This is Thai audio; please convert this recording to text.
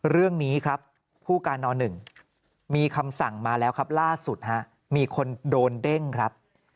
เรื่องนี้ครับผู้การน๑มีคำสั่งมาแล้วครับล่าสุดฮะมีคนโดนเด้งครับ